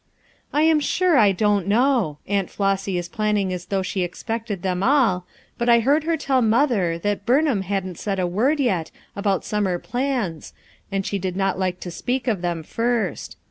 "I am sure I don't know. Aunt Flossy is planning as though she expected them all, but I heard her tell mother that Burnham hadn't said a word yet about summer plans and she did not like to speak of them first.